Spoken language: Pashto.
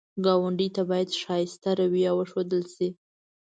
ګاونډي ته باید ښایسته رویه وښودل شي